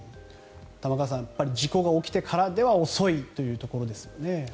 玉川さん事故が起きてからでは遅いというところですよね。